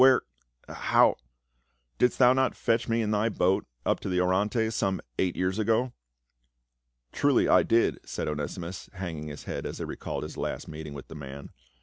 "Where — how —"" Didst thou not fetch me in thy boat up the Orontes some eight years ago ?" "Truly I did," said Onesimus, hanging his head as he recalled his last meeting with the man.